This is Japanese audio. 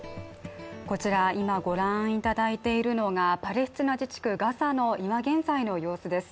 こちらは今ご覧いただいているのがパレスチナ自治区ガザの現在の様子です。